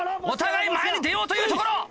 お互い前に出ようというところ！